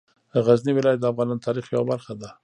غزني ولایت د افغانانو د تاریخ یوه برخه ده.